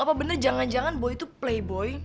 apa bener jangan jangan boy tuh playboy